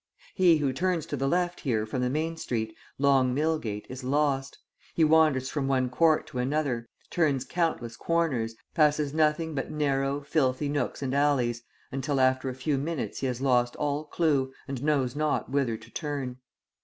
He who turns to the left here from the main street, Long Millgate, is lost; he wanders from one court to another, turns countless corners, passes nothing but narrow, filthy nooks and alleys, until after a few minutes he has lost all clue, and knows not whither to turn.